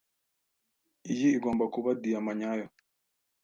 Iyi igomba kuba diyama nyayo.